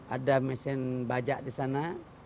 ada mesin bajak di sana